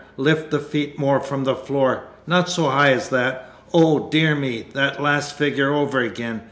Lift the feet more from the floor. Not so high as that! Oh, dear me! that last figure over again.